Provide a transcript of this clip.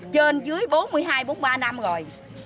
trên dưới bốn mươi hai bốn mươi ba năm rồi